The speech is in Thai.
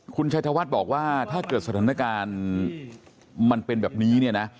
คุณชัยธวัฒน์บอกว่าถ้าเกิดสถานการณ์มันเป็นแบบนี้เนี่ยนะ